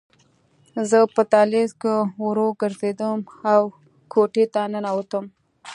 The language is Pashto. زه په دهلیز کې ورو ګرځېدم او کوټې ته ننوتم